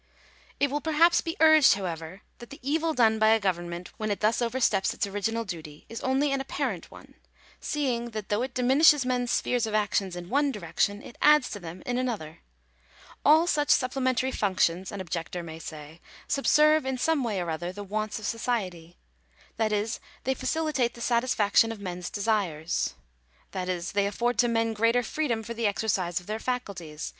879 §2. It mil perhaps be urged, however, that the evil done by a government, when it thus oversteps its original duty, is only an apparent one ; seeing that though it diminishes mens spheres of action in one direction, it adds to them in another. All such supplementary functions, an objector may say, subserve in some way or other the wants of society ; that is, they facilitate the satisfaction of men's desires ; that is, they afford to men greater freedom for the exercise of their faculties.